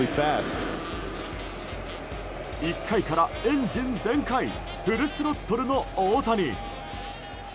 １回からエンジン全開フルスロットルの大谷。